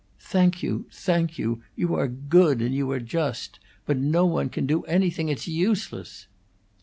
"Thank you, thank you! You are good and you are just! But no one can do anything. It's useless!"